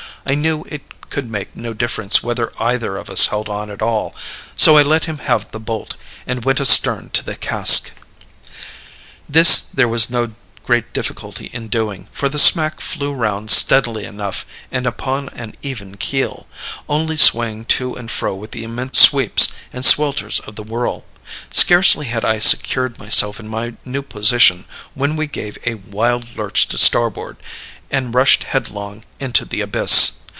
I knew it could make no difference whether either of us held on at all; so I let him have the bolt, and went astern to the cask. "This there was no great difficulty in doing, for the smack flew round steadily enough, and upon an even keel only swaying to and fro with the immense sweeps and swelters of the whirl. Scarcely had I secured myself in my new position when we gave a wild lurch to starboard and rushed headlong into the abyss.